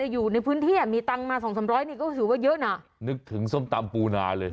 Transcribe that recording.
อยู่ในพื้นที่อ่ะมีตังค์มาสองสามร้อยนี่ก็ถือว่าเยอะน่ะนึกถึงส้มตำปูนาเลย